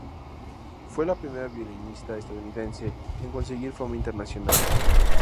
Fue la primera violinista estadounidense en conseguir fama internacional.